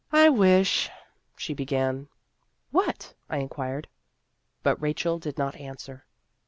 " I wish " she began. " What ?" I inquired. But Rachel did not answer.